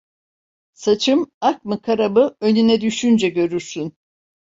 Saçım ak mı, kara mı? Önüne düşünce görürsün.